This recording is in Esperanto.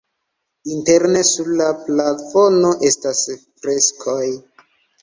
Interne sur la plafono estas freskoj.